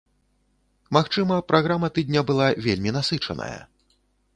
Магчыма, праграма тыдня была вельмі насычаная.